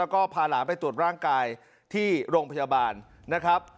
แล้วก็พาหลานไปตรวจร่างกายที่โรงพยาบาลนะครับ